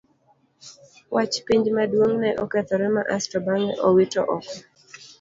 Wach penj maduong' ne okethore ma asto bang'e owite oko.